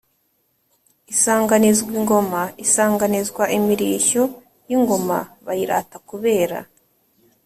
isanganizwa ingoma: isanganizwa imirishyo y’ingoma bayirata kubera